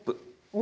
お。